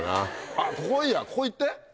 あっここがいいやここ行って。